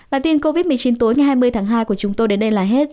bản tin covid một mươi chín tối ngày hai mươi tháng hai của chúng tôi đến đây là hết